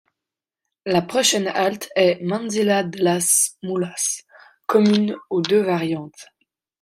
La prochaine halte est Mansilla de las Mulas, commune aux deux variantes.